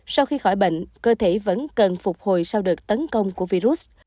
sau khi khỏi bệnh cơ thể vẫn cần phục hồi sau đợt tấn công của virus